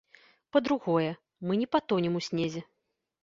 Па-другое, мы не патонем у снезе.